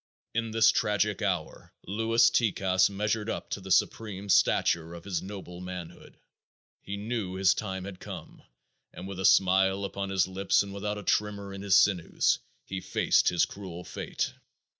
In this tragic hour Louis Tikas measured up to the supreme stature of his noble manhood. He knew his time had come and with a smile upon his lips and without a tremor in his sinews, he faced his cruel fate.